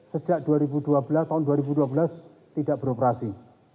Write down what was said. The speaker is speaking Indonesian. sejak dua ribu dua belas tahun dua ribu dua belas tidak beroperasi